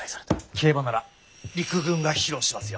競馬なら陸軍が披露しますよ。